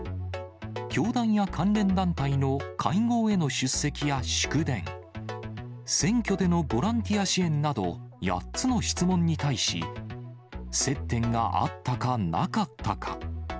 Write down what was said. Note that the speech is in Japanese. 教団や関連団体の会合への出席や祝電、選挙でのボランティア支援など、８つの質問に対し、接点があったか、なかったか。